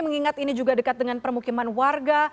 mengingat ini juga dekat dengan permukiman warga